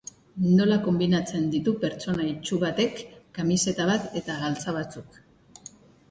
Nola konbinatzen ditu pertsona itsu batek kamiseta bat eta galtza batzuk?